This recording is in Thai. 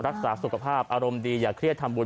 รักษาสุขภาพอารมณ์ดีอย่าเครียดทำบุญ